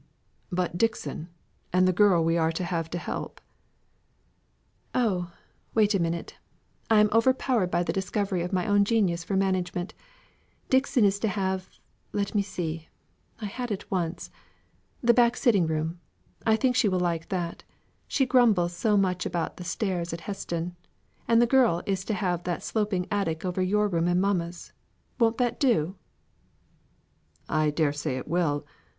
"But Dixon, and the girl we are to have to help?" "Oh, wait a minute. I am overpowered by the discovery of my own genius for management. Dixon is to have let me see, I had it once the back sitting room. I think she will like that. She grumbles so much about the stairs at Heston; and the girl is to have that sloping attic over your room and mamma's. Won't that do?" "I dare say it will.